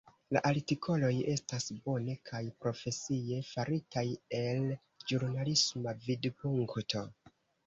La artikoloj estas bone kaj profesie faritaj el ĵurnalisma vidpunkto.